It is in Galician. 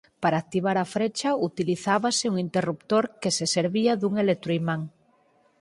Para activar a frecha utilizábase un interruptor que se servía dun electroimán.